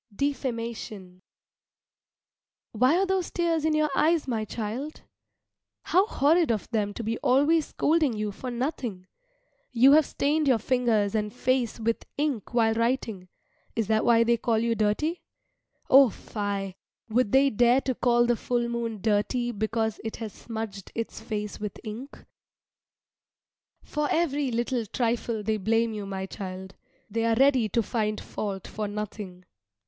DEFAMATION Why are those tears in your eyes, my child? How horrid of them to be always scolding you for nothing? You have stained your fingers and face with ink while writing is that why they call you dirty? O, fie! Would they dare to call the full moon dirty because it has smudged its face with ink? For every little trifle they blame you, my child. They are ready to find fault for nothing.